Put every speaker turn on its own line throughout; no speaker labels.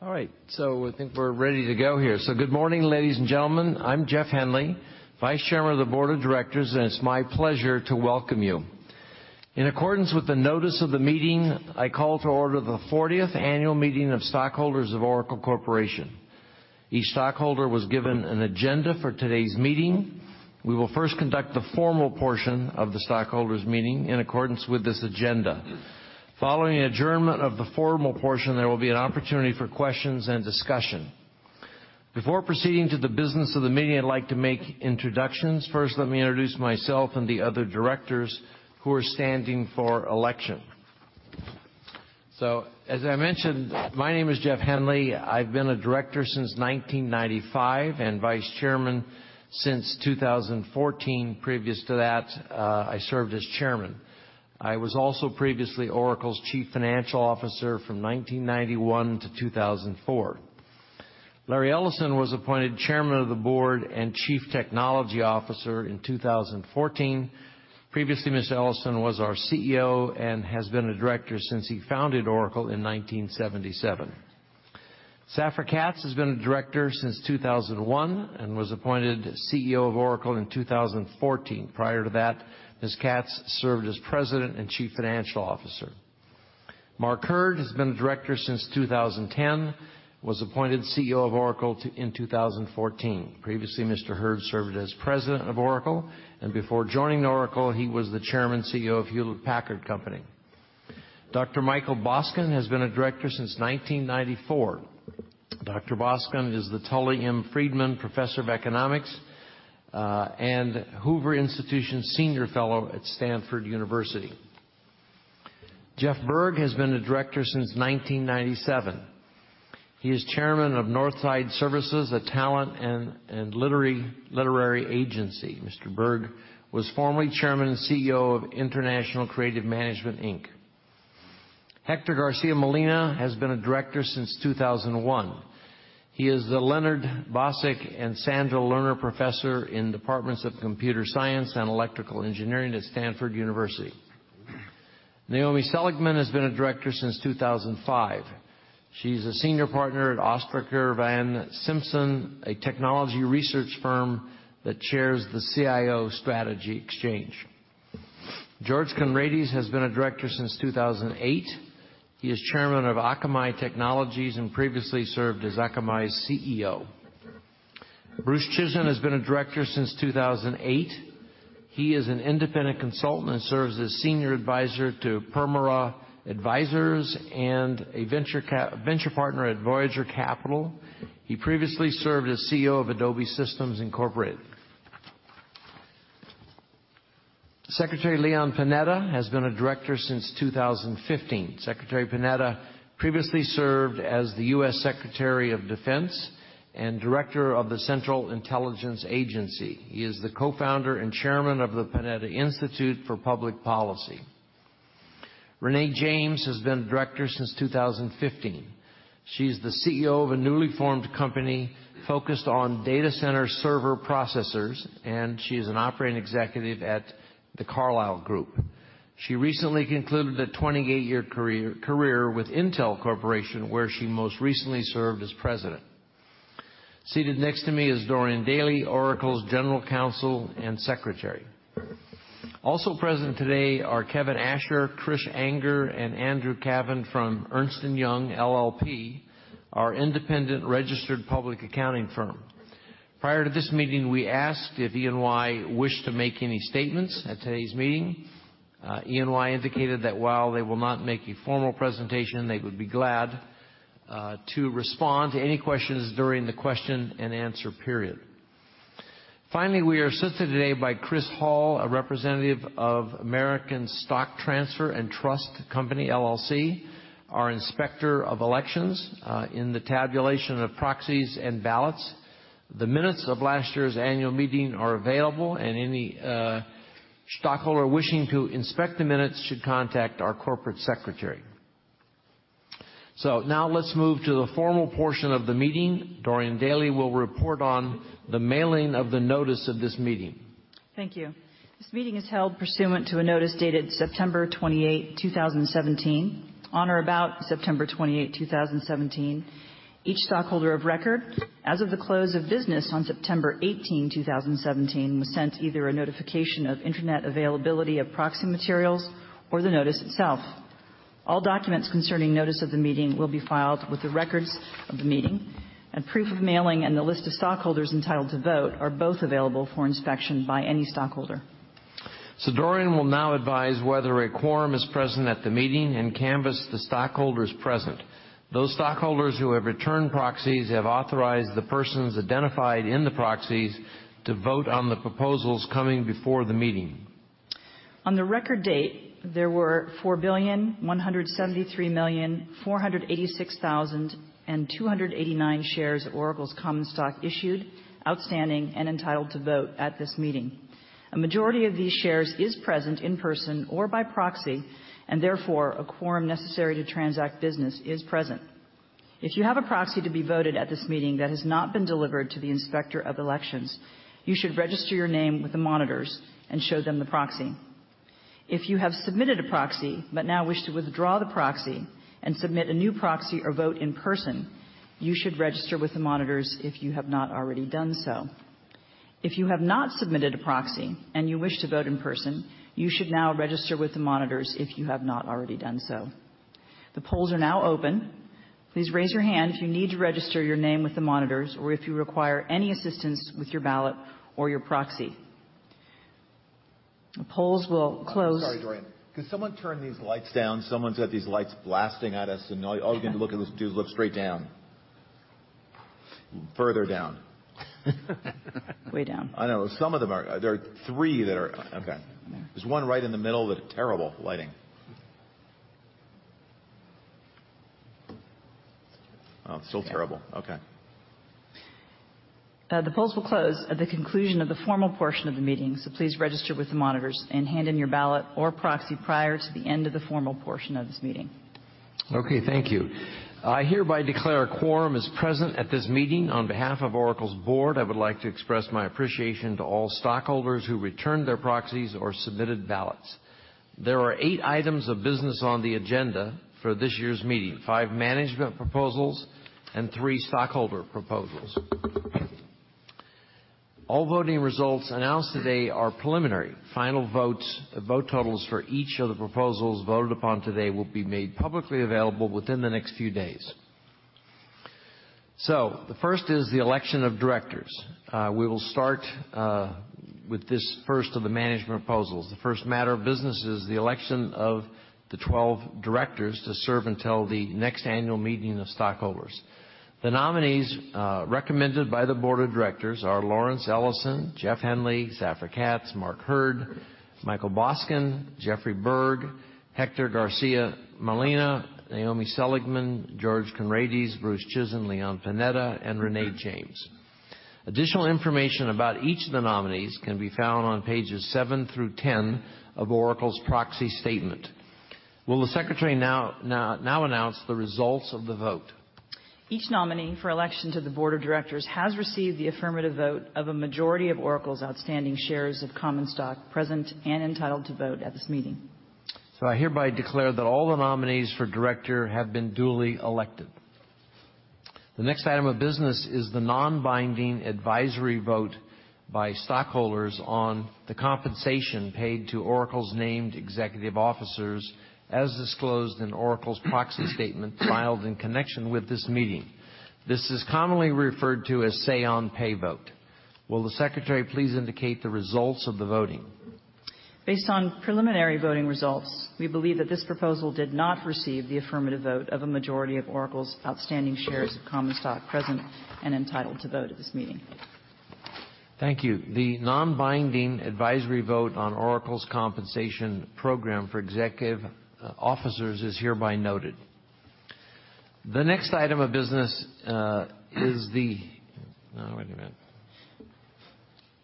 All right, I think we're ready to go here. Good morning, ladies and gentlemen. I'm Jeff Henley, Vice Chairman of the Board of Directors, and it's my pleasure to welcome you. In accordance with the notice of the meeting, I call to order the 40th annual meeting of stockholders of Oracle Corporation. Each stockholder was given an agenda for today's meeting. We will first conduct the formal portion of the stockholders meeting in accordance with this agenda. Following adjournment of the formal portion, there will be an opportunity for questions and discussion. Before proceeding to the business of the meeting, I would like to make introductions. First, let me introduce myself and the other directors who are standing for election. As I mentioned, my name is Jeff Henley. I've been a director since 1995 and Vice Chairman since 2014. Previous to that, I served as Chairman. I was also previously Oracle's Chief Financial Officer from 1991 to 2004. Larry Ellison was appointed Chairman of the Board and Chief Technology Officer in 2014. Previously, Mr. Ellison was our CEO and has been a director since he founded Oracle in 1977. Safra Catz has been a director since 2001 and was appointed CEO of Oracle in 2014. Prior to that, Ms. Catz served as President and Chief Financial Officer. Mark Hurd has been a director since 2010, was appointed CEO of Oracle in 2014. Previously, Mr. Hurd served as President of Oracle, and before joining Oracle, he was the Chairman CEO of Hewlett-Packard Company. Dr. Michael Boskin has been a director since 1994. Dr. Boskin is the Tully M. Friedman Professor of Economics, and Hoover Institution Senior Fellow at Stanford University. Jeff Berg has been a director since 1997. He is chairman of Northside Services, LLC, a talent and literary agency. Mr. Berg was formerly Chairman and CEO of International Creative Management, Inc. Hector Garcia-Molina has been a director since 2001. He is the Leonard Bosack and Sandra Lerner Professor in departments of Computer Science and Electrical Engineering at Stanford University. Naomi Seligman has been a director since 2005. She's a senior partner at Ostriker von Simpson, a technology research firm that chairs the CIO Strategy Exchange. George Conrades has been a director since 2008. He is chairman of Akamai Technologies and previously served as Akamai's CEO. Bruce Chizen has been a director since 2008. He is an independent consultant and serves as senior adviser to Permira Advisers and a venture partner at Voyager Capital. He previously served as CEO of Adobe Systems Incorporated. Secretary Leon Panetta has been a director since 2015. Secretary Panetta previously served as the U.S. Secretary of Defense and Director of the Central Intelligence Agency. He is the Co-founder and Chairman of the Panetta Institute for Public Policy. Renée James has been a director since 2015. She's the CEO of a newly formed company focused on data center server processors, and she is an operating executive at The Carlyle Group. She recently concluded a 28-year career with Intel Corporation, where she most recently served as President. Seated next to me is Dorian Daley, Oracle's General Counsel and Secretary. Also present today are Kevin Asher, Trish Enger, and Andrew Cavan from Ernst & Young LLP, our independent registered public accounting firm. Prior to this meeting, we asked if E&Y wished to make any statements at today's meeting. E&Y indicated that while they will not make a formal presentation, they would be glad to respond to any questions during the question-and-answer period. Finally, we are assisted today by Chris Hall, a representative of American Stock Transfer & Trust Company, LLC, our inspector of elections in the tabulation of proxies and ballots. The minutes of last year's annual meeting are available, and any stockholder wishing to inspect the minutes should contact our corporate secretary. Now let's move to the formal portion of the meeting. Dorian Daley will report on the mailing of the notice of this meeting.
Thank you. This meeting is held pursuant to a notice dated September 28, 2017. On or about September 28, 2017, each stockholder of record, as of the close of business on September 18, 2017, was sent either a notification of internet availability of proxy materials or the notice itself. All documents concerning notice of the meeting will be filed with the records of the meeting, and proof of mailing and the list of stockholders entitled to vote are both available for inspection by any stockholder.
Dorian will now advise whether a quorum is present at the meeting and canvass the stockholders present. Those stockholders who have returned proxies have authorized the persons identified in the proxies to vote on the proposals coming before the meeting.
On the record date, there were 4,173,486,289 shares of Oracle's common stock issued, outstanding, and entitled to vote at this meeting. A majority of these shares is present in person or by proxy, and therefore, a quorum necessary to transact business is present. If you have a proxy to be voted at this meeting that has not been delivered to the Inspector of Elections, you should register your name with the monitors and show them the proxy. If you have submitted a proxy but now wish to withdraw the proxy and submit a new proxy or vote in person, you should register with the monitors if you have not already done so. If you have not submitted a proxy and you wish to vote in person, you should now register with the monitors if you have not already done so. The polls are now open. Please raise your hand if you need to register your name with the monitors or if you require any assistance with your ballot or your proxy. The polls will close.
I'm sorry, Joanne. Could someone turn these lights down? Someone's got these lights blasting at us, and all you can do is look straight down. Further down.
Way down.
I know. There are three that are Okay. There's one right in the middle that. Terrible lighting. Oh, still terrible. Okay.
The polls will close at the conclusion of the formal portion of the meeting. Please register with the monitors and hand in your ballot or proxy prior to the end of the formal portion of this meeting.
Okay, thank you. I hereby declare a quorum is present at this meeting. On behalf of Oracle's board, I would like to express my appreciation to all stockholders who returned their proxies or submitted ballots. There are eight items of business on the agenda for this year's meeting, five management proposals and three stockholder proposals. All voting results announced today are preliminary. Final vote totals for each of the proposals voted upon today will be made publicly available within the next few days. The first is the election of directors. We will start with this first of the management proposals. The first matter of business is the election of the 12 directors to serve until the next annual meeting of stockholders. The nominees recommended by the board of directors are Lawrence Ellison, Jeff Henley, Safra Catz, Mark Hurd, Michael Boskin, Jeffrey Berg, Hector Garcia-Molina, Naomi Seligman, George Conrades, Bruce Chizen, Leon Panetta, and Renée James. Additional information about each of the nominees can be found on pages seven through 10 of Oracle's proxy statement. Will the secretary now announce the results of the vote?
Each nominee for election to the board of directors has received the affirmative vote of a majority of Oracle's outstanding shares of common stock present and entitled to vote at this meeting.
I hereby declare that all the nominees for director have been duly elected. The next item of business is the non-binding advisory vote by stockholders on the compensation paid to Oracle's named executive officers, as disclosed in Oracle's proxy statement filed in connection with this meeting. This is commonly referred to as say-on-pay vote. Will the secretary please indicate the results of the voting?
Based on preliminary voting results, we believe that this proposal did not receive the affirmative vote of a majority of Oracle's outstanding shares of common stock present and entitled to vote at this meeting.
Thank you. The non-binding advisory vote on Oracle's compensation program for executive officers is hereby noted. The next item of business is the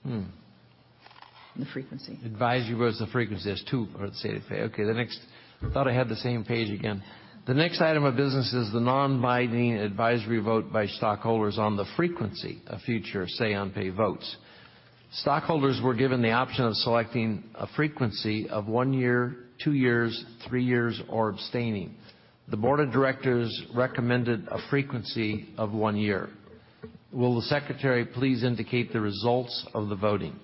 The frequency.
Advisory was the frequency. There's two say on pay. Thought I had the same page again. The next item of business is the non-binding advisory vote by stockholders on the frequency of future say-on-pay votes. Stockholders were given the option of selecting a frequency of one year, two years, three years, or abstaining. The Board of Directors recommended a frequency of one year. Will the secretary please indicate the results of the voting?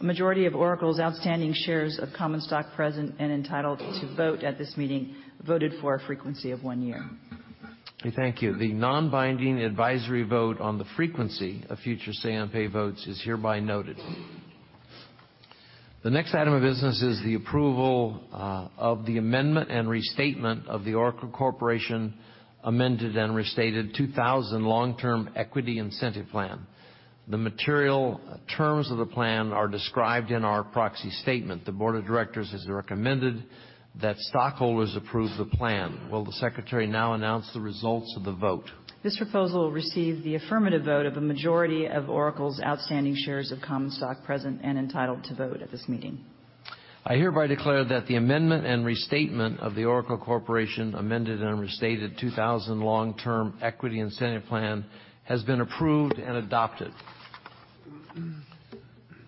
A majority of Oracle's outstanding shares of common stock present and entitled to vote at this meeting voted for a frequency of one year.
Thank you. The non-binding advisory vote on the frequency of future say-on-pay votes is hereby noted. The next item of business is the approval of the amendment and restatement of the Oracle Corporation Amended and Restated 2000 Long-Term Equity Incentive Plan. The material terms of the plan are described in our proxy statement. The Board of Directors has recommended that stockholders approve the plan. Will the secretary now announce the results of the vote?
This proposal received the affirmative vote of a majority of Oracle's outstanding shares of common stock present and entitled to vote at this meeting.
I hereby declare that the amendment and restatement of the Oracle Corporation Amended and Restated 2000 Long-Term Equity Incentive Plan has been approved and adopted.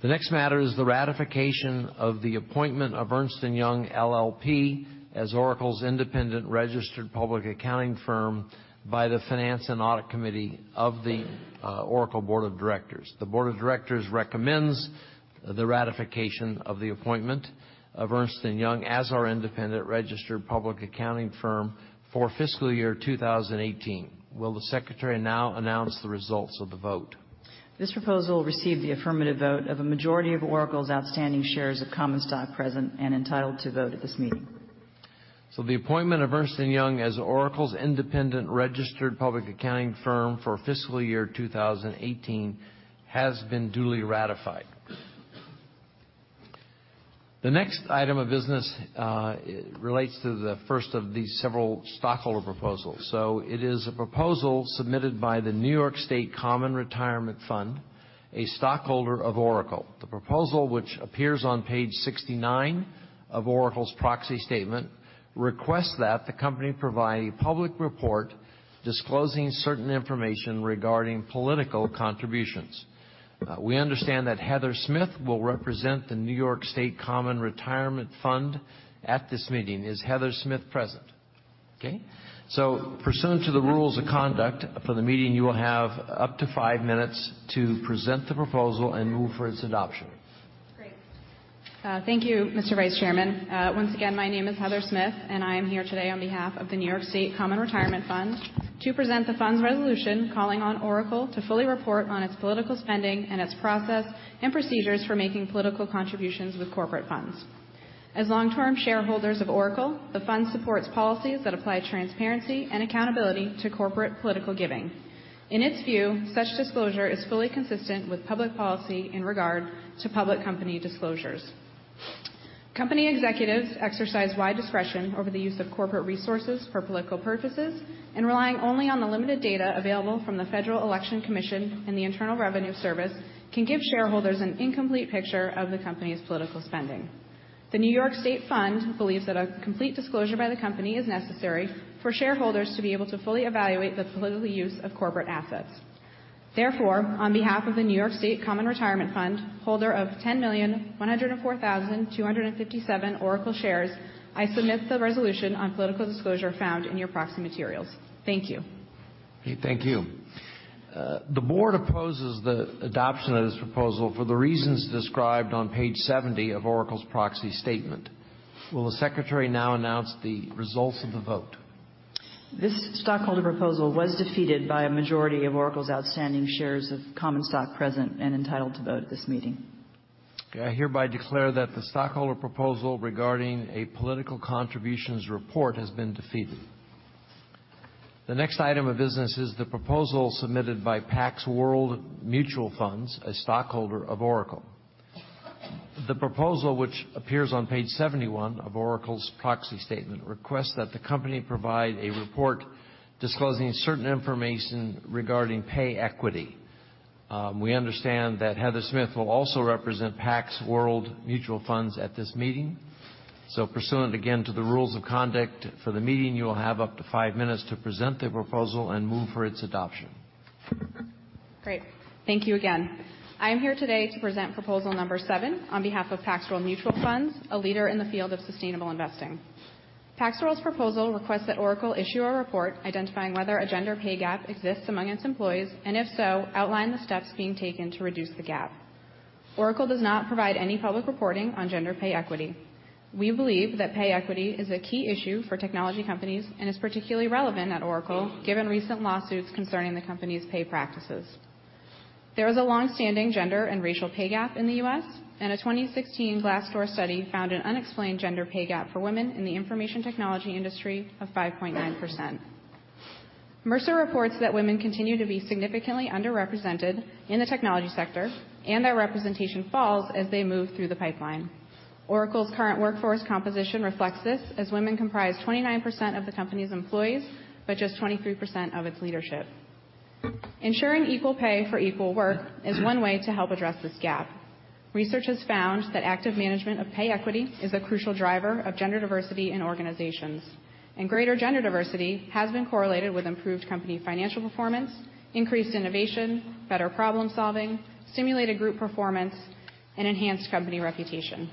The next matter is the ratification of the appointment of Ernst & Young LLP as Oracle's independent registered public accounting firm by the Finance and Audit Committee of the Oracle Board of Directors. The Board of Directors recommends the ratification of the appointment of Ernst & Young as our independent registered public accounting firm for fiscal year 2018. Will the secretary now announce the results of the vote?
This proposal received the affirmative vote of a majority of Oracle's outstanding shares of common stock present and entitled to vote at this meeting.
The appointment of Ernst & Young as Oracle's independent registered public accounting firm for fiscal year 2018 has been duly ratified. The next item of business relates to the first of these several stockholder proposals. It is a proposal submitted by the New York State Common Retirement Fund, a stockholder of Oracle. The proposal, which appears on page 69 of Oracle's proxy statement Request that the company provide a public report disclosing certain information regarding political contributions. We understand that Heather Smith will represent the New York State Common Retirement Fund at this meeting. Is Heather Smith present? Okay. Pursuant to the rules of conduct for the meeting, you will have up to five minutes to present the proposal and move for its adoption.
Great. Thank you, Mr. Vice Chairman. Once again, my name is Heather Smith, and I am here today on behalf of the New York State Common Retirement Fund to present the fund's resolution calling on Oracle to fully report on its political spending and its process and procedures for making political contributions with corporate funds. As long-term shareholders of Oracle, the fund supports policies that apply transparency and accountability to corporate political giving. In its view, such disclosure is fully consistent with public policy in regard to public company disclosures. Company executives exercise wide discretion over the use of corporate resources for political purposes, and relying only on the limited data available from the Federal Election Commission and the Internal Revenue Service can give shareholders an incomplete picture of the company's political spending. The New York State Fund believes that a complete disclosure by the company is necessary for shareholders to be able to fully evaluate the political use of corporate assets. Therefore, on behalf of the New York State Common Retirement Fund, holder of 10,104,257 Oracle shares, I submit the resolution on political disclosure found in your proxy materials. Thank you.
Okay, thank you. The Board opposes the adoption of this proposal for the reasons described on page 70 of Oracle's proxy statement. Will the Secretary now announce the results of the vote?
This stockholder proposal was defeated by a majority of Oracle's outstanding shares of common stock present and entitled to vote at this meeting.
Okay, I hereby declare that the stockholder proposal regarding a political contributions report has been defeated. The next item of business is the proposal submitted by Pax World Funds, a stockholder of Oracle. The proposal, which appears on page 71 of Oracle's proxy statement, requests that the company provide a report disclosing certain information regarding pay equity. We understand that Heather Smith will also represent Pax World Funds at this meeting. Pursuant again to the rules of conduct for the meeting, you will have up to five minutes to present the proposal and move for its adoption.
Great. Thank you again. I am here today to present proposal number seven on behalf of Pax World Mutual Funds, a leader in the field of sustainable investing. Pax World's proposal requests that Oracle issue a report identifying whether a gender pay gap exists among its employees, and if so, outline the steps being taken to reduce the gap. Oracle does not provide any public reporting on gender pay equity. We believe that pay equity is a key issue for technology companies and is particularly relevant at Oracle given recent lawsuits concerning the company's pay practices. There is a longstanding gender and racial pay gap in the U.S., and a 2016 Glassdoor study found an unexplained gender pay gap for women in the information technology industry of 5.9%. Mercer reports that women continue to be significantly underrepresented in the technology sector, and that representation falls as they move through the pipeline. Oracle's current workforce composition reflects this, as women comprise 29% of the company's employees, but just 23% of its leadership. Ensuring equal pay for equal work is one way to help address this gap. Research has found that active management of pay equity is a crucial driver of gender diversity in organizations. Greater gender diversity has been correlated with improved company financial performance, increased innovation, better problem-solving, stimulated group performance, and enhanced company reputation.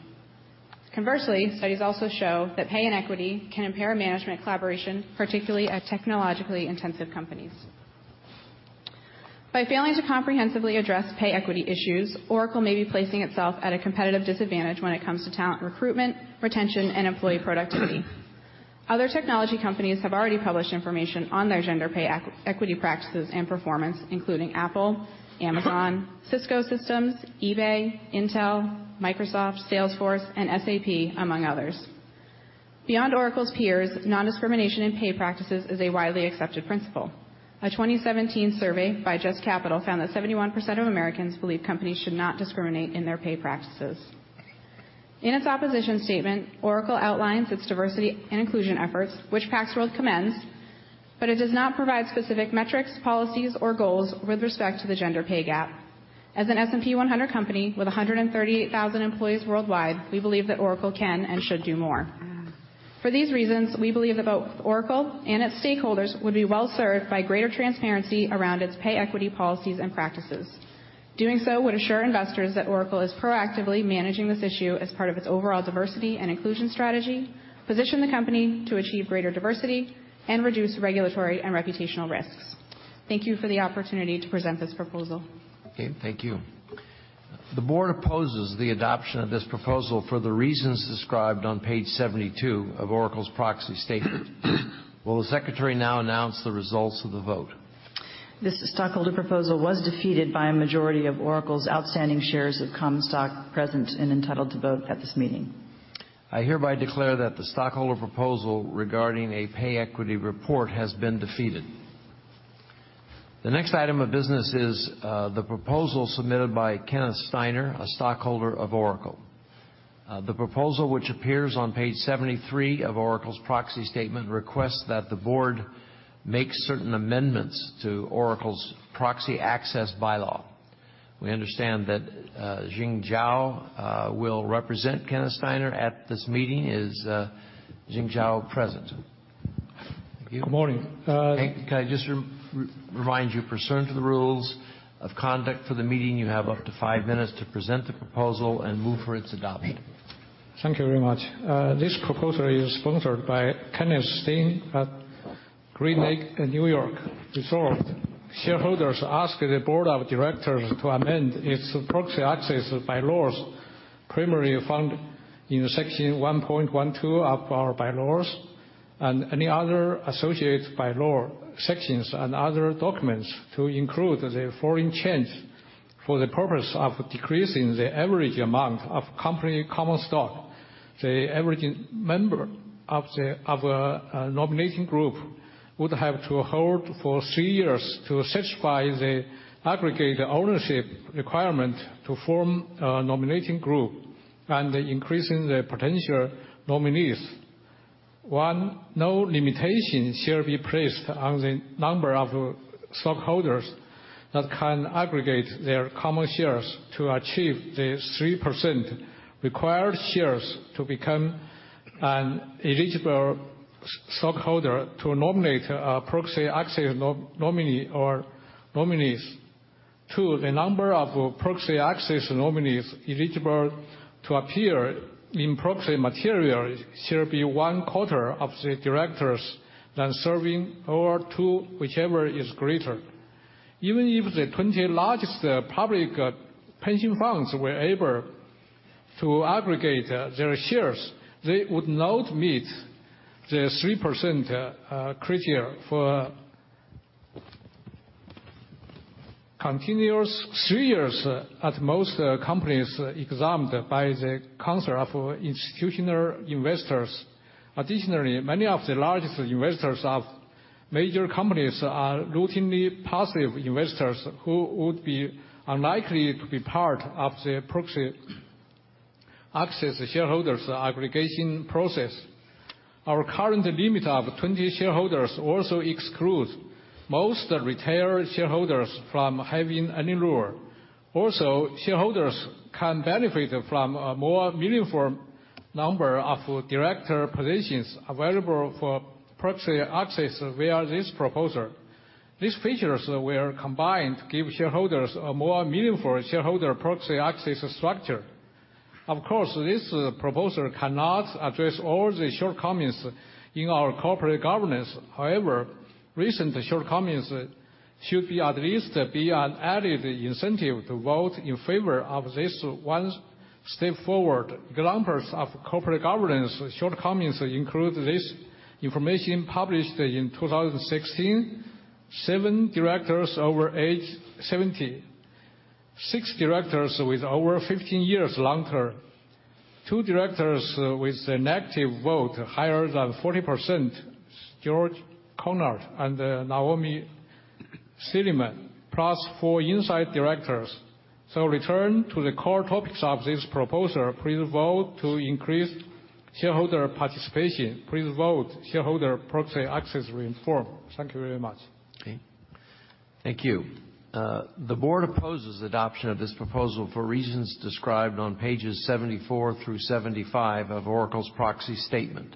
Conversely, studies also show that pay inequity can impair management collaboration, particularly at technologically intensive companies. By failing to comprehensively address pay equity issues, Oracle may be placing itself at a competitive disadvantage when it comes to talent recruitment, retention, and employee productivity. Other technology companies have already published information on their gender pay equity practices and performance, including Apple, Amazon, Cisco Systems, eBay, Intel, Microsoft, Salesforce, and SAP, among others. Beyond Oracle's peers, non-discrimination in pay practices is a widely accepted principle. A 2017 survey by JUST Capital found that 71% of Americans believe companies should not discriminate in their pay practices. In its opposition statement, Oracle outlines its diversity and inclusion efforts, which Pax World commends, but it does not provide specific metrics, policies, or goals with respect to the gender pay gap. As an S&P 100 company with 138,000 employees worldwide, we believe that Oracle can and should do more. For these reasons, we believe that both Oracle and its stakeholders would be well-served by greater transparency around its pay equity policies and practices. Doing so would assure investors that Oracle is proactively managing this issue as part of its overall diversity and inclusion strategy, position the company to achieve greater diversity, and reduce regulatory and reputational risks. Thank you for the opportunity to present this proposal.
Okay, thank you. The board opposes the adoption of this proposal for the reasons described on page 72 of Oracle's proxy statement. Will the Secretary now announce the results of the vote?
This stockholder proposal was defeated by a majority of Oracle's outstanding shares of common stock present and entitled to vote at this meeting.
I hereby declare that the stockholder proposal regarding a pay equity report has been defeated. The next item of business is the proposal submitted by Kenneth Steiner, a stockholder of Oracle. The proposal, which appears on page 73 of Oracle's proxy statement, requests that the board make certain amendments to Oracle's proxy access bylaw. We understand that Jing Zhao will represent Kenneth Steiner at this meeting. Is Jing Zhao present?
Good morning.
Can I just remind you, pursuant to the rules of conduct for the meeting, you have up to five minutes to present the proposal and move for its adoption.
Thank you very much. This proposal is sponsored by Kenneth Steiner at Great Neck in New York. Resort shareholders ask the board of directors to amend its proxy access bylaws, primarily found in Section 1.12 of our bylaws and any other associated bylaw sections and other documents to include the following changes, for the purpose of decreasing the average amount of company common stock. The average member of a nominating group would have to hold for three years to satisfy the aggregate ownership requirement to form a nominating group and increasing the potential nominees. One, no limitations shall be placed on the number of stockholders that can aggregate their common shares to achieve the 3% required shares to become an eligible stockholder to nominate a proxy access nominee or nominees. Two, the number of proxy access nominees eligible to appear in proxy material shall be one quarter of the directors then serving or two, whichever is greater. Even if the 20 largest public pension funds were able to aggregate their shares, they would not meet the 3% criteria for continuous three years at most companies examined by the Council of Institutional Investors. Additionally, many of the largest investors of major companies are routinely passive investors who would be unlikely to be part of the proxy access shareholders aggregation process. Our current limit of 20 shareholders also excludes most retail shareholders from having any lure. Shareholders can benefit from a more meaningful number of director positions available for proxy access via this proposal. These features, where combined, give shareholders a more meaningful shareholder proxy access structure. Of course, this proposal cannot address all the shortcomings in our corporate governance. However, recent shortcomings should at least be an added incentive to vote in favor of this one step forward. Examples of corporate governance shortcomings include this information published in 2016, seven directors over age 70, six directors with over 15 years long-term, two directors with a negative vote higher than 40%, George Conrades and Naomi Seligman, plus four inside directors. Return to the core topics of this proposal. Please vote to increase shareholder participation. Please vote shareholder proxy access reform. Thank you very much.
Okay. Thank you. The board opposes adoption of this proposal for reasons described on pages 74 through 75 of Oracle's proxy statement.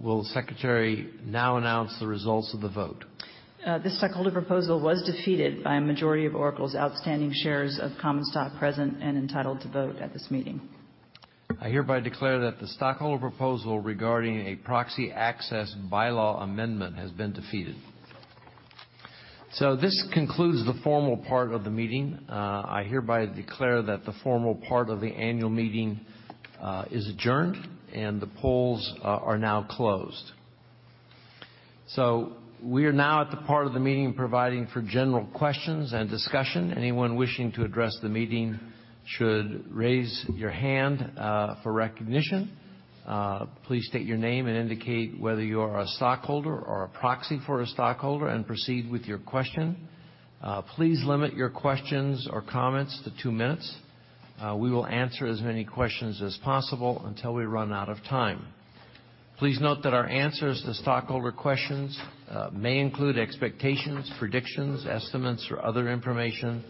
Will the secretary now announce the results of the vote?
This stockholder proposal was defeated by a majority of Oracle's outstanding shares of common stock present and entitled to vote at this meeting.
I hereby declare that the stockholder proposal regarding a proxy access bylaw amendment has been defeated. This concludes the formal part of the meeting. I hereby declare that the formal part of the annual meeting is adjourned, and the polls are now closed. We are now at the part of the meeting providing for general questions and discussion. Anyone wishing to address the meeting should raise your hand for recognition. Please state your name and indicate whether you are a stockholder or a proxy for a stockholder and proceed with your question. Please limit your questions or comments to two minutes. We will answer as many questions as possible until we run out of time. Please note that our answers to stockholder questions may include expectations, predictions, estimates, or other information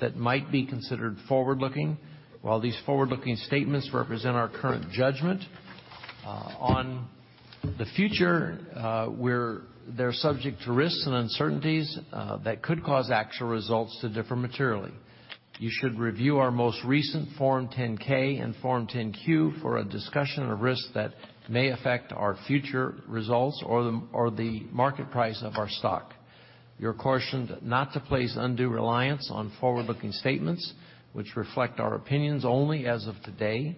that might be considered forward-looking. While these forward-looking statements represent our current judgment on the future, they're subject to risks and uncertainties that could cause actual results to differ materially. You should review our most recent Form 10-K and Form 10-Q for a discussion of risks that may affect our future results or the market price of our stock. You're cautioned not to place undue reliance on forward-looking statements, which reflect our opinions only as of today.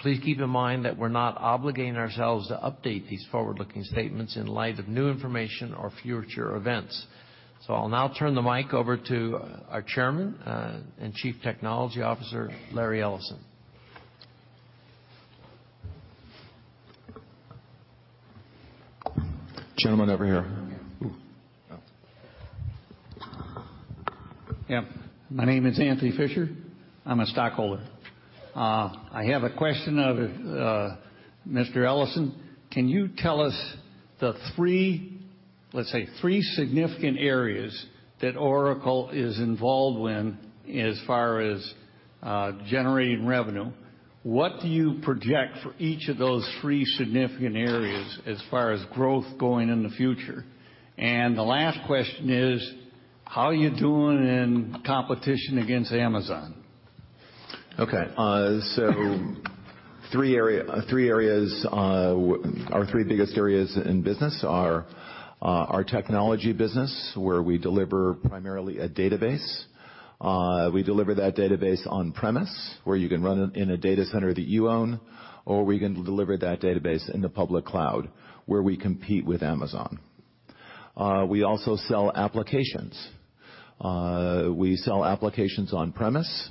Please keep in mind that we're not obligating ourselves to update these forward-looking statements in light of new information or future events. I'll now turn the mic over to our Chairman and Chief Technology Officer, Larry Ellison.
Gentleman over here.
Oh.
My name is Anthony Fisher. I'm a stockholder. I have a question of Mr. Ellison. Can you tell us Let's say three significant areas that Oracle is involved in as far as generating revenue. What do you project for each of those three significant areas as far as growth going in the future? The last question is, how are you doing in competition against Amazon?
Our three biggest areas in business are our technology business, where we deliver primarily a database. We deliver that database on-premise, where you can run it in a data center that you own, or we can deliver that database in the public cloud, where we compete with Amazon. We also sell applications. We sell applications on-premise,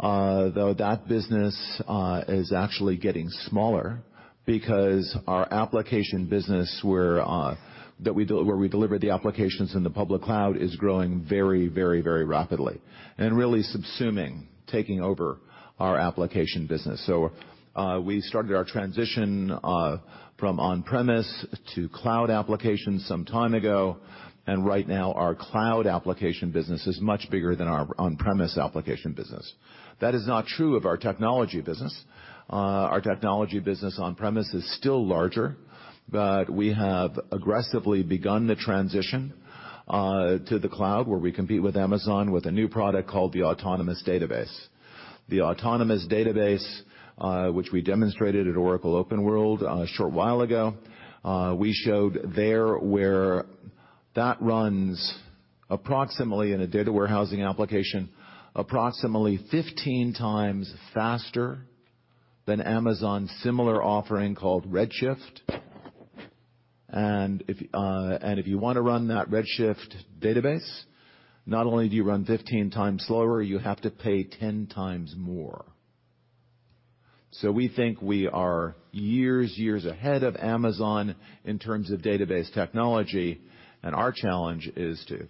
though that business is actually getting smaller because our application business where we deliver the applications in the public cloud is growing very rapidly and really subsuming, taking over our application business. We started our transition from on-premise to cloud applications some time ago, right now our cloud application business is much bigger than our on-premise application business. That is not true of our technology business. Our technology business on-premise is still larger, we have aggressively begun to transition to the cloud, where we compete with Amazon with a new product called the Oracle Autonomous Database. The Oracle Autonomous Database, which we demonstrated at Oracle OpenWorld a short while ago, we showed there where that runs approximately in a data warehousing application, approximately 15 times faster than Amazon's similar offering called Amazon Redshift. If you want to run that Amazon Redshift database, not only do you run 15 times slower, you have to pay 10 times more. We think we are years ahead of Amazon in terms of database technology, our challenge is to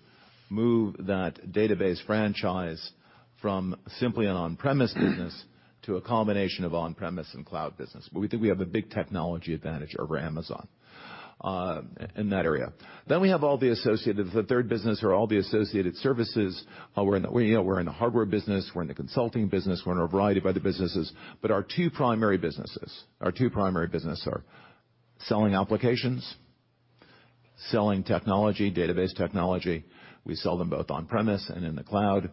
move that database franchise from simply an on-premise business to a combination of on-premise and cloud business. We think we have a big technology advantage over Amazon in that area. We have all the associated, the third business or all the associated services. We're in the hardware business. We're in the consulting business. We're in a variety of other businesses. Our two primary businesses are selling applications, selling technology, database technology. We sell them both on-premise and in the cloud.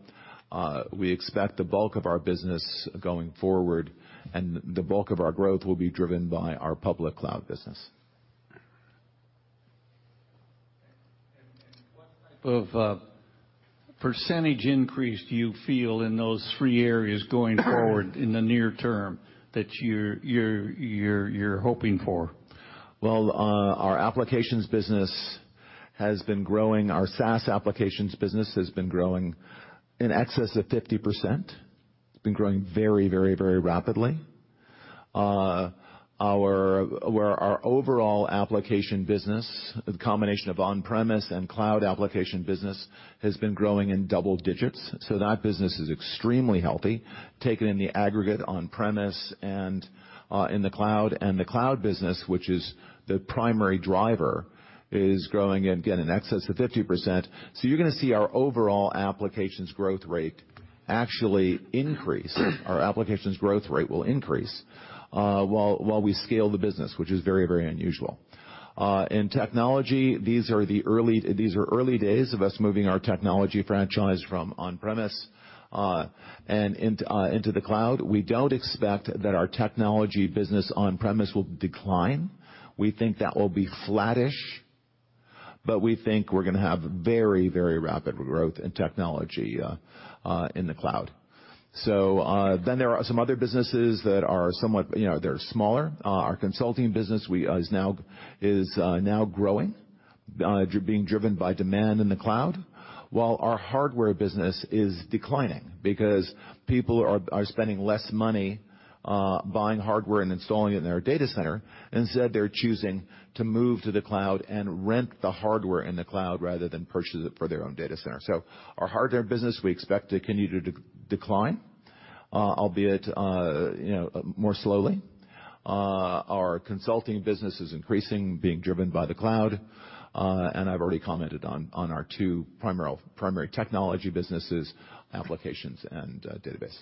We expect the bulk of our business going forward and the bulk of our growth will be driven by our public cloud business.
What type of % increase do you feel in those three areas going forward in the near term that you're hoping for?
Well, our applications business has been growing. Our SaaS applications business has been growing in excess of 50%. It's been growing very rapidly. Our overall application business, the combination of on-premise and cloud application business, has been growing in double digits. That business is extremely healthy, taken in the aggregate on-premise and in the cloud. The cloud business, which is the primary driver, is growing again in excess of 50%. You're going to see our overall applications growth rate actually increase. Our applications growth rate will increase while we scale the business, which is very unusual. In technology, these are early days of us moving our technology franchise from on-premise and into the cloud. We don't expect that our technology business on-premise will decline. We think that will be flattish, but we think we're going to have very rapid growth in technology in the cloud. There are some other businesses that are somewhat smaller. Our consulting business is now growing, being driven by demand in the cloud, while our hardware business is declining because people are spending less money buying hardware and installing it in their data center. Instead, they're choosing to move to the cloud and rent the hardware in the cloud rather than purchase it for their own data center. Our hardware business, we expect to continue to decline, albeit more slowly. Our consulting business is increasing, being driven by the cloud. I've already commented on our two primary technology businesses, applications, and database.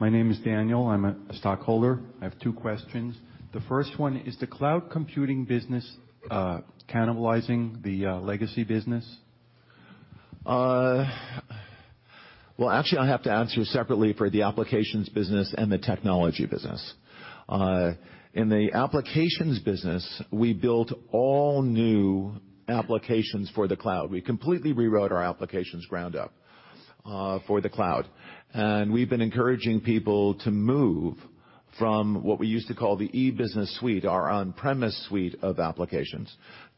Thank you.
My name is Daniel. I'm a stockholder. I have two questions. The first one, is the cloud computing business cannibalizing the legacy business?
Actually, I have to answer separately for the applications business and the technology business. In the applications business, we built all new applications for the cloud. We completely rewrote our applications ground up for the cloud. We've been encouraging people to move from what we used to call the Oracle E-Business Suite, our on-premise suite of applications,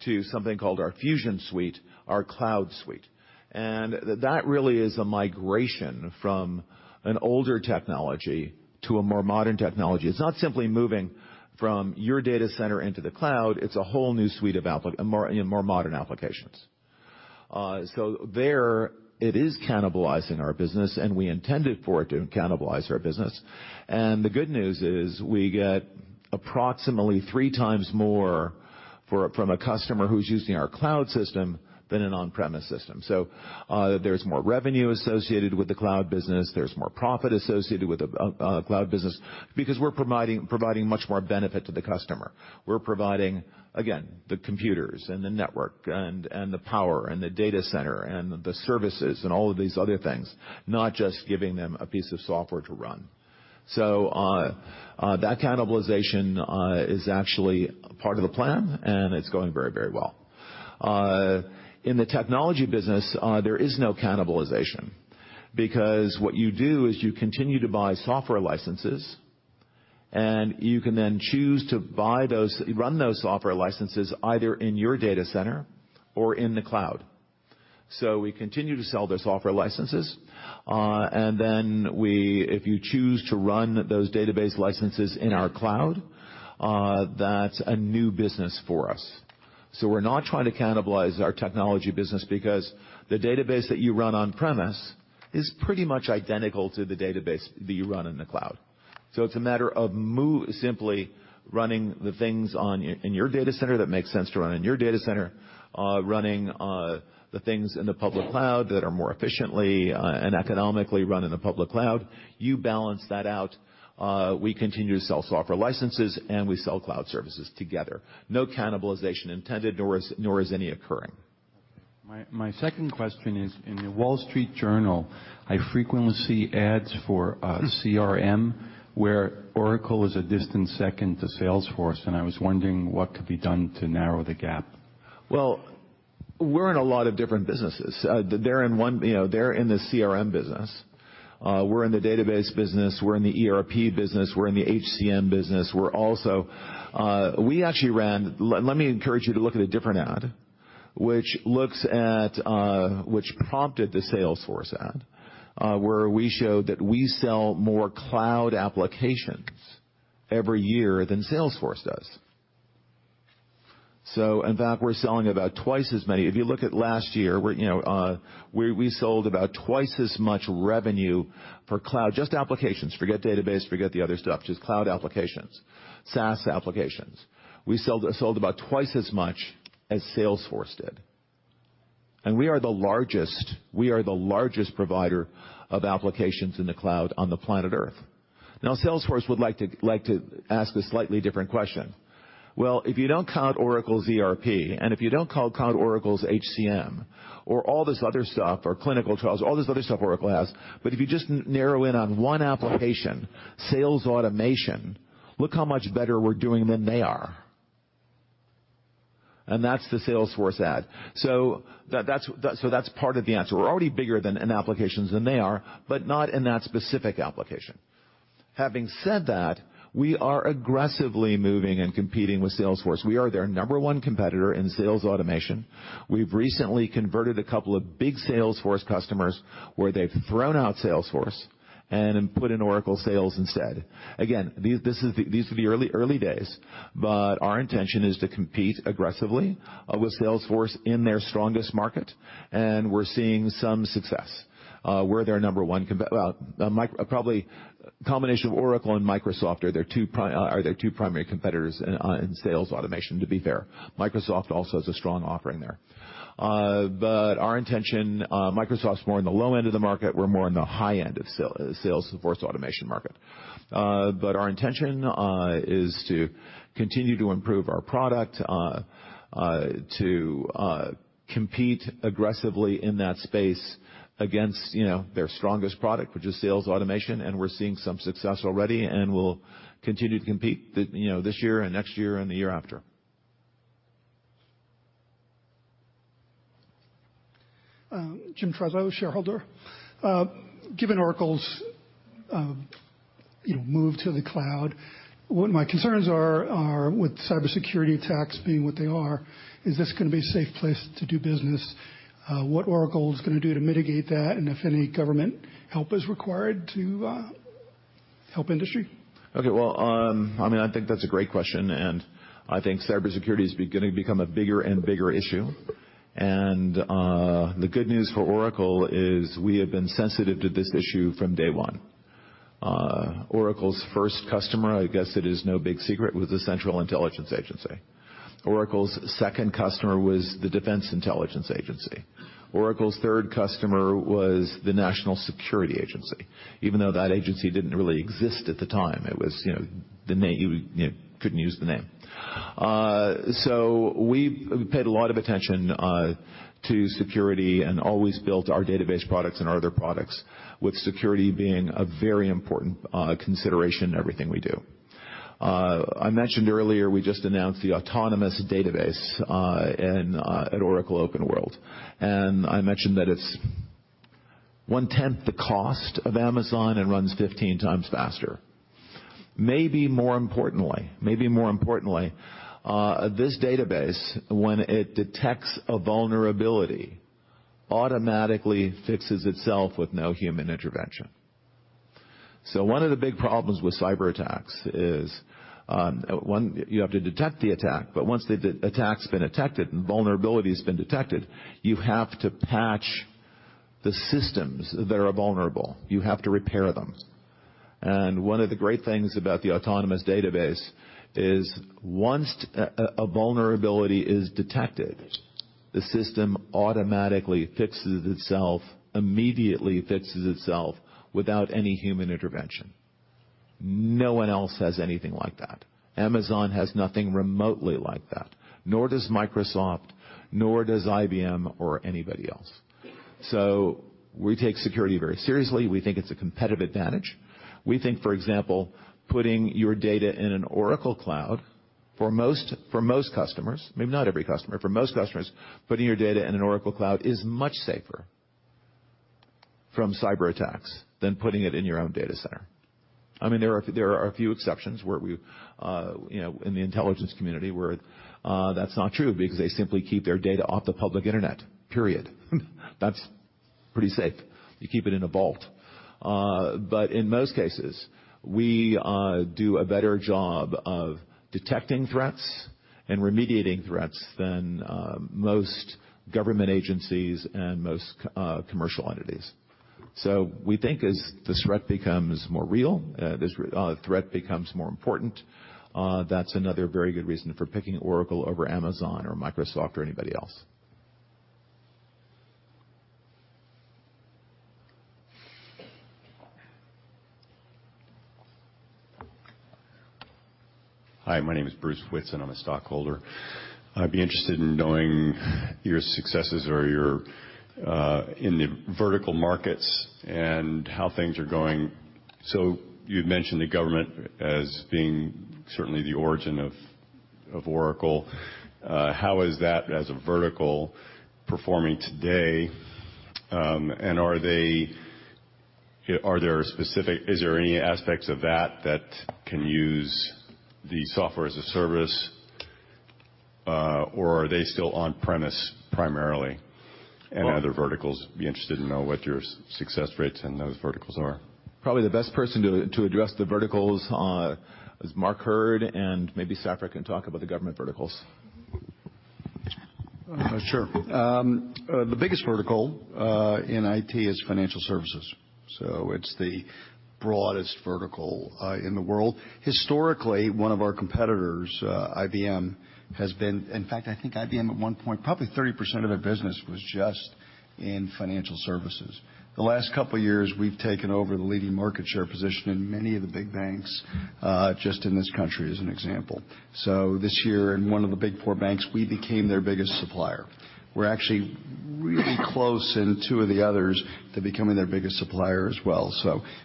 to something called our Oracle Fusion Cloud Applications Suite, our cloud suite. That really is a migration from an older technology to a more modern technology. It's not simply moving from your data center into the cloud. It's a whole new suite of more modern applications. There, it is cannibalizing our business, we intended for it to cannibalize our business. The good news is, we get approximately three times more from a customer who's using our cloud system than an on-premise system. There's more revenue associated with the cloud business, there's more profit associated with the cloud business because we're providing much more benefit to the customer. We're providing, again, the computers and the network and the power and the data center and the services and all of these other things, not just giving them a piece of software to run. That cannibalization is actually part of the plan, it's going very well. In the technology business, there is no cannibalization because what you do is you continue to buy software licenses, you can then choose to run those software licenses either in your data center or in the cloud. We continue to sell those software licenses, if you choose to run those database licenses in our cloud, that's a new business for us. We're not trying to cannibalize our technology business because the database that you run on-premise is pretty much identical to the database that you run in the cloud. It's a matter of simply running the things in your data center that make sense to run in your data center, running the things in the public cloud that are more efficiently and economically run in the public cloud. You balance that out. We continue to sell software licenses, and we sell cloud services together. No cannibalization intended, nor is any occurring.
My second question is, in The Wall Street Journal, I frequently see ads for CRM where Oracle is a distant second to Salesforce, I was wondering what could be done to narrow the gap.
Well, we're in a lot of different businesses. They're in the CRM business. We're in the database business. We're in the ERP business. We're in the HCM business. Let me encourage you to look at a different ad, which prompted the Salesforce ad, where we showed that we sell more cloud applications every year than Salesforce does. In fact, we're selling about twice as many. If you look at last year, we sold about twice as much revenue for cloud, just applications, forget database, forget the other stuff, just cloud applications, SaaS applications. We sold about twice as much as Salesforce did. We are the largest provider of applications in the cloud on the planet Earth. Now, Salesforce would like to ask a slightly different question. Well, if you don't count Oracle's ERP, and if you don't count Oracle's HCM or all this other stuff, or clinical trials, all this other stuff Oracle has, but if you just narrow in on one application, sales automation, look how much better we're doing than they are. That's the Salesforce ad. That's part of the answer. We're already bigger in applications than they are, but not in that specific application. Having said that, we are aggressively moving and competing with Salesforce. We are their number one competitor in sales automation. We've recently converted a couple of big Salesforce customers where they've thrown out Salesforce and put in Oracle Sales instead. Again, these are the early days, but our intention is to compete aggressively with Salesforce in their strongest market, and we're seeing some success. We're their number one competitor. Probably a combination of Oracle and Microsoft are their two primary competitors in sales automation, to be fair. Microsoft also has a strong offering there. Microsoft's more in the low end of the market. We're more in the high end of the Salesforce automation market. Our intention is to continue to improve our product, to compete aggressively in that space against their strongest product, which is sales automation, we're seeing some success already, we'll continue to compete this year and next year and the year after.
Jim Trezeseu, shareholder. Given Oracle's move to the cloud, what my concerns are with cybersecurity attacks being what they are, is this going to be a safe place to do business? What Oracle is going to do to mitigate that, if any government help is required to help industry?
I think that's a great question, cybersecurity is going to become a bigger and bigger issue. The good news for Oracle is we have been sensitive to this issue from day one. Oracle's first customer, I guess it is no big secret, was the Central Intelligence Agency. Oracle's second customer was the Defense Intelligence Agency. Oracle's third customer was the National Security Agency, even though that agency didn't really exist at the time. You couldn't use the name. We paid a lot of attention to security and always built our database products and our other products with security being a very important consideration in everything we do. I mentioned earlier, we just announced the Oracle Autonomous Database at Oracle OpenWorld, I mentioned that it's one-tenth the cost of Amazon and runs 15 times faster. Maybe more importantly, this database, when it detects a vulnerability, automatically fixes itself with no human intervention. One of the big problems with cyberattacks is, one, you have to detect the attack, once the attack's been detected and vulnerability has been detected, you have to patch the systems that are vulnerable. You have to repair them. One of the great things about the Oracle Autonomous Database is once a vulnerability is detected, the system automatically fixes itself, immediately fixes itself without any human intervention. No one else has anything like that. Amazon has nothing remotely like that, nor does Microsoft, nor does IBM or anybody else. We take security very seriously. We think it's a competitive advantage. We think, for example, putting your data in an Oracle Cloud, for most customers, maybe not every customer, for most customers, putting your data in an Oracle Cloud is much safer from cyberattacks than putting it in your own data center. There are a few exceptions in the intelligence community where that's not true because they simply keep their data off the public internet, period. That's pretty safe. You keep it in a vault. In most cases, we do a better job of detecting threats and remediating threats than most government agencies and most commercial entities. We think as this threat becomes more real, this threat becomes more important, that's another very good reason for picking Oracle over Amazon or Microsoft or anybody else.
Hi, my name is Bruce Whitson. I'm a stockholder. I'd be interested in knowing your successes in the vertical markets and how things are going. You'd mentioned the government as being certainly the origin of Oracle. How is that, as a vertical, performing today? Is there any aspects of that can use the software as a service, or are they still on-premise primarily? Other verticals, be interested to know what your success rates in those verticals are.
Probably the best person to address the verticals is Mark Hurd, and maybe Safra can talk about the government verticals.
Sure. The biggest vertical in IT is financial services, so it's the broadest vertical in the world. Historically, one of our competitors, IBM, in fact, I think IBM at one point, probably 30% of their business was just in financial services. The last couple of years, we've taken over the leading market share position in many of the big banks, just in this country as an example. This year in one of the big four banks, we became their biggest supplier. We're actually really close in two of the others to becoming their biggest supplier as well.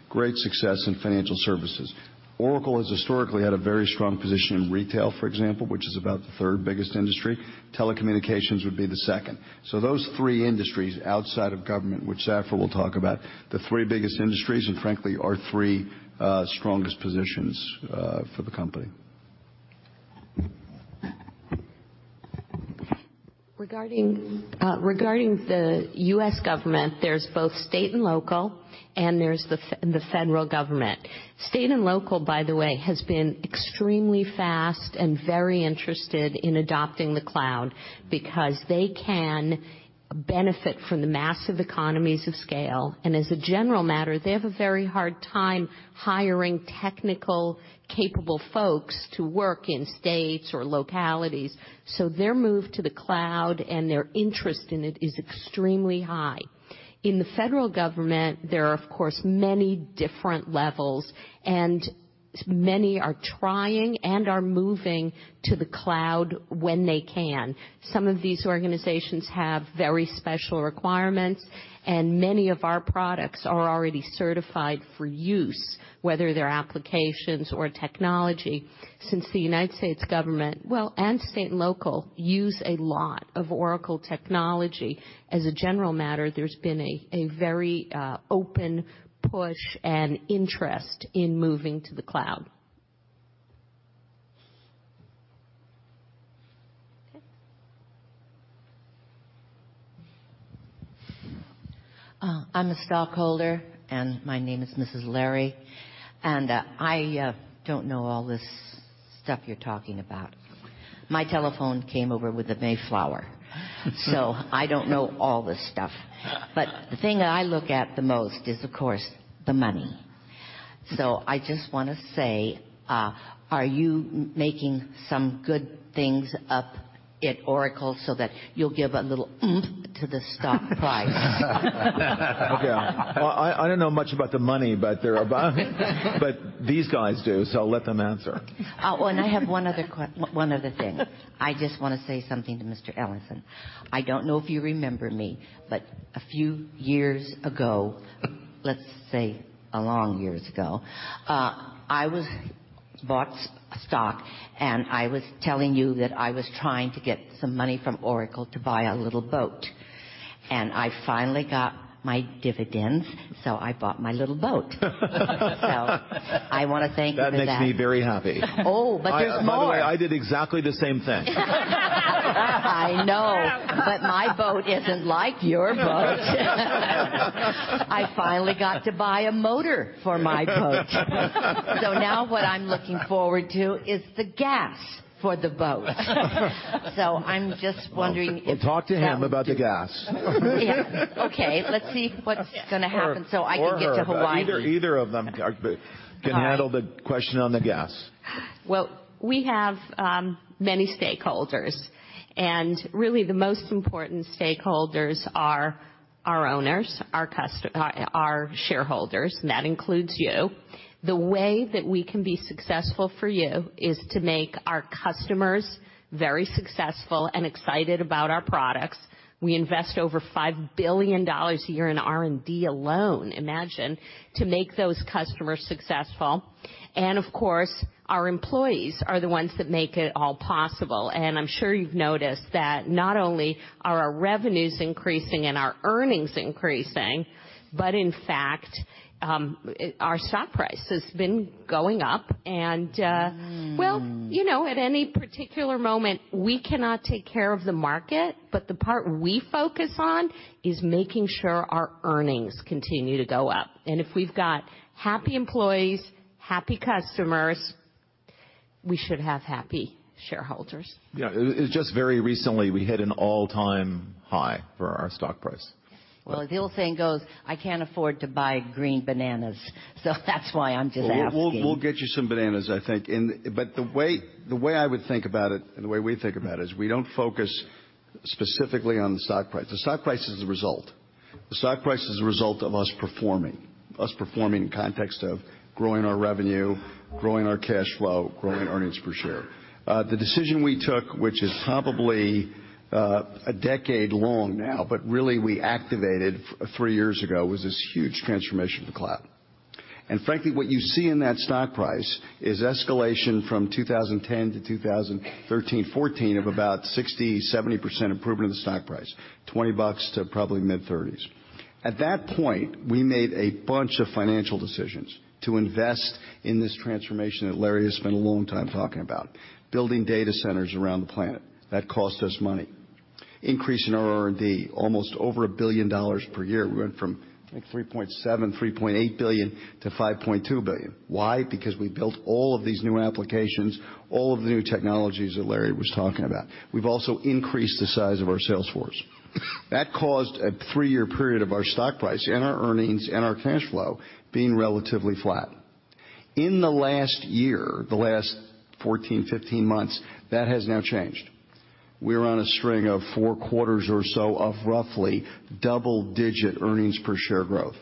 Great success in financial services. Oracle has historically had a very strong position in retail, for example, which is about the third biggest industry. Telecommunications would be the second. Those three industries outside of government, which Safra will talk about, the three biggest industries and frankly, our three strongest positions for the company.
Regarding the U.S. government, there's both state and local, and there's the federal government. State and local, by the way, has been extremely fast and very interested in adopting the cloud because they can benefit from the massive economies of scale. As a general matter, they have a very hard time hiring technical, capable folks to work in states or localities. Their move to the cloud and their interest in it is extremely high. In the federal government, there are, of course, many different levels, and many are trying and are moving to the cloud when they can. Some of these organizations have very special requirements, and many of our products are already certified for use, whether they're applications or technology. Since the United States government, well, and state and local use a lot of Oracle technology, as a general matter, there's been a very open push and interest in moving to the cloud.
Okay.
I'm a stockholder, and my name is Mrs. Larry, and I don't know all this stuff you're talking about. My telephone came over with the Mayflower. I don't know all this stuff. The thing that I look at the most is, of course, the money. I just want to say, are you making some good things up at Oracle so that you'll give a little oomph to the stock price?
Okay. Well, I don't know much about the money. These guys do, so I'll let them answer.
Oh, I have one other thing. I just want to say something to Mr. Ellison. I don't know if you remember me, but a few years ago, let's say a long years ago, I bought stock, and I was telling you that I was trying to get some money from Oracle to buy a little boat. I finally got my dividends, so I bought my little boat. I want to thank you for that.
That makes me very happy.
Oh, there's more.
I did exactly the same thing.
I know. My boat isn't like your boat. I finally got to buy a motor for my boat. Now what I'm looking forward to is the gas for the boat. I'm just wondering if.
Well, talk to him about the gas.
Yeah. Okay, let's see what's going to happen so I can get to Hawaii.
Or her. Either of them can handle the question on the gas.
All right.
Well, we have many stakeholders, really the most important stakeholders are our owners, our shareholders, and that includes you. The way that we can be successful for you is to make our customers very successful and excited about our products. We invest over $5 billion a year in R&D alone, imagine, to make those customers successful. Of course, our employees are the ones that make it all possible. I'm sure you've noticed that not only are our revenues increasing and our earnings increasing, but in fact, our stock price has been going up. Well, at any particular moment, we cannot take care of the market, but the part we focus on is making sure our earnings continue to go up. If we've got happy employees, happy customers, we should have happy shareholders.
Yeah. Just very recently, we hit an all-time high for our stock price.
Well, as the old saying goes, I can't afford to buy green bananas. That's why I'm just asking.
We'll get you some bananas, I think. The way I would think about it, and the way we think about it, is we don't focus specifically on the stock price. The stock price is a result. The stock price is a result of us performing. Us performing in context of growing our revenue, growing our cash flow, growing earnings per share. The decision we took, which is probably a decade long now, but really we activated three years ago, was this huge transformation to the cloud. Frankly, what you see in that stock price is escalation from 2010 to 2013-2014 of about 60%-70% improvement in the stock price, $20 to probably mid-30s. At that point, we made a bunch of financial decisions to invest in this transformation that Larry has spent a long time talking about. Building data centers around the planet. That cost us money. Increase in our R&D, almost over $1 billion per year. We went from, I think, $3.7 billion-$3.8 billion to $5.2 billion. Why? Because we built all of these new applications, all of the new technologies that Larry was talking about. We've also increased the size of our sales force. That caused a three-year period of our stock price and our earnings and our cash flow being relatively flat. In the last year, the last 14-15 months, that has now changed. We're on a string of four quarters or so of roughly double-digit earnings per share growth.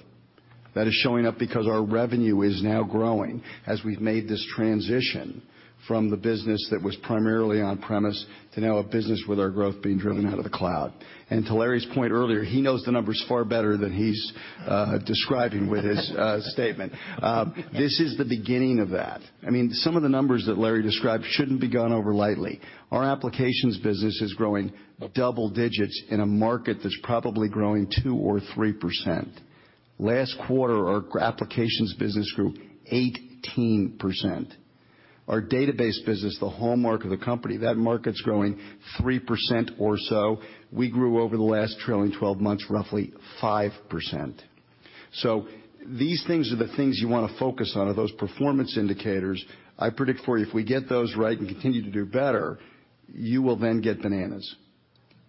That is showing up because our revenue is now growing as we've made this transition from the business that was primarily on premise to now a business with our growth being driven out of the cloud. To Larry's point earlier, he knows the numbers far better than he's describing with his statement. This is the beginning of that. Some of the numbers that Larry described shouldn't be gone over lightly. Our applications business is growing double digits in a market that's probably growing 2% or 3%. Last quarter, our applications business grew 18%. Our database business, the hallmark of the company, that market's growing 3% or so. We grew over the last trailing 12 months, roughly 5%. These things are the things you want to focus on, are those performance indicators. I predict for you, if we get those right and continue to do better, you will then get bananas.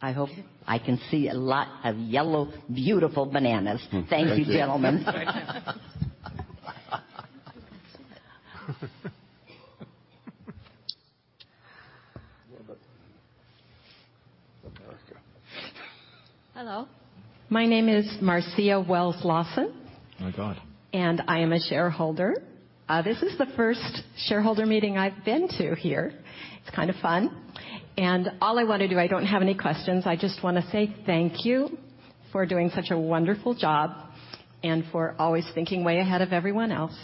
I hope I can see a lot of yellow, beautiful bananas. Thank you, gentlemen.
Thank you.
Thank you.
America.
Hello. My name is Marcia Wells Lawson.
My God.
I am a shareholder. This is the first shareholder meeting I've been to here. It's kind of fun. All I want to do, I don't have any questions, I just want to say thank you for doing such a wonderful job and for always thinking way ahead of everyone else.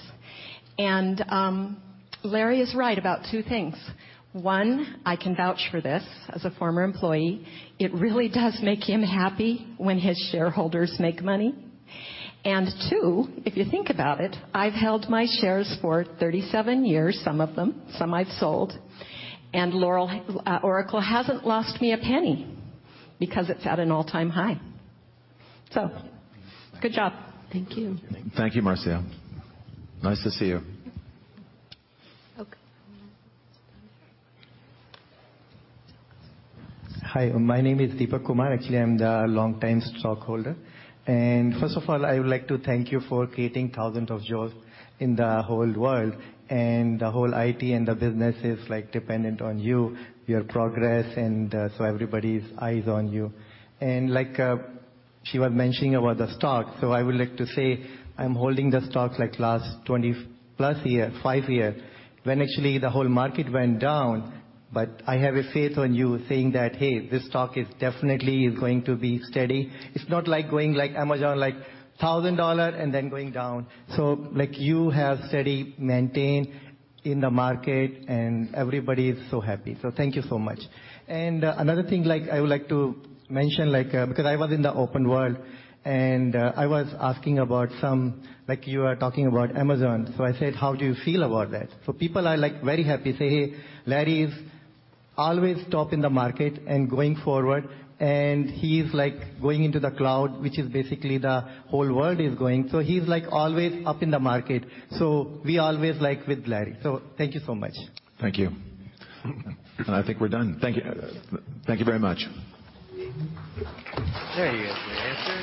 Larry is right about two things. One, I can vouch for this as a former employee. It really does make him happy when his shareholders make money. Two, if you think about it, I've held my shares for 37 years, some of them. Some I've sold. Oracle hasn't lost me a penny because it's at an all-time high. Good job.
Thank you.
Thank you, Marcia. Nice to see you.
Okay.
Hi, my name is Deepak Kumar. Actually, I'm the longtime stockholder. First of all, I would like to thank you for creating thousands of jobs in the whole world, and the whole IT and the business is dependent on you, your progress, everybody's eyes on you. Like she was mentioning about the stock, I would like to say I'm holding the stock like last 20 plus year, five year, when actually the whole market went down. I have a faith on you saying that, "Hey, this stock is definitely is going to be steady." It's not like going like Amazon, like $1,000 and then going down. Like you have steady maintained in the market, and everybody is so happy. Thank you so much. Another thing I would like to mention, because I was in the OpenWorld, and I was asking about some, like you were talking about Amazon. I said, "How do you feel about that?" People are very happy, say, "Hey, Larry is always top in the market and going forward, and he's going into the cloud," which is basically the whole world is going. He's always up in the market. We always like with Larry. Thank you so much.
Thank you. I think we're done. Thank you. Thank you very much.
There you have your answer.